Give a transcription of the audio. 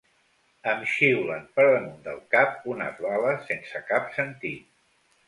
Em xiulen per damunt del cap unes bales sense cap sentit.